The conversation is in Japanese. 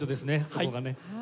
そこがね。